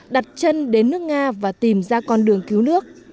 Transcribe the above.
đặt chân đến nước nga và tìm ra con đường cứu nước